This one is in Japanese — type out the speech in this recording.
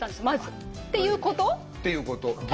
まず。っていうこと？っていうこと。